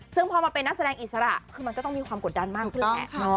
ซึ่งพอมาเป็นนักแสดงอิสระคือมันก็ต้องมีความกดดันมากขึ้นแหละ